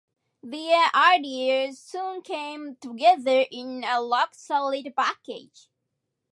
Their ideas soon came together in a rock-solid package.